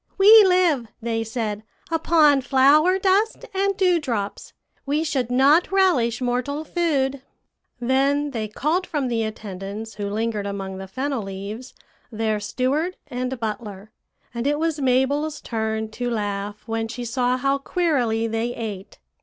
'We live,' they said, 'upon flower dust and dewdrops; we should not relish mortal food.' "Then they called from the attendants who lingered among the fennel leaves their steward and butler; and it was Mabel's turn to laugh when she saw how queerly they ate.